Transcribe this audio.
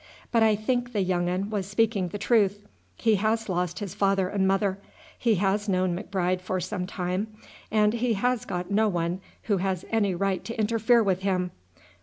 But I think the young un was speaking the truth. He has lost his father and mother, he has known M'Bride for some time, and he has got no one who has any right to interfere with him.